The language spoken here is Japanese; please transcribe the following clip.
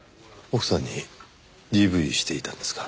奥さんにＤＶしていたんですか？